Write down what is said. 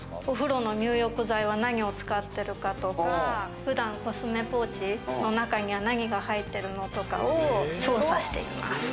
お風呂の入浴剤は何を使ってるかとか普段コスメポーチの中に何が入っているのかとかを調査しています。